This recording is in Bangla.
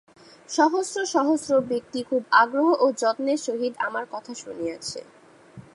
সহস্র সহস্র ব্যক্তি খুব আগ্রহ ও যত্নের সহিত আমার কথা শুনিয়াছে।